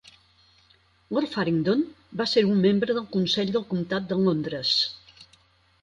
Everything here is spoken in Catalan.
Lord Faringdon va ser un membre del Consell del comtat de Londres.